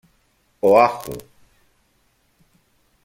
Oahu.